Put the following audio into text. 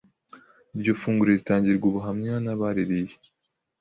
iryo funguro ritangirwa ubuhamya n’abaririye